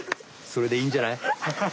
それでいいんじゃない？